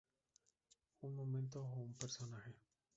Un momento o un personaje.